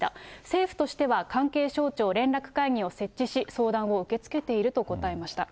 政府としては、関係省庁連絡会議を設置し、相談を受け付けていると答えました。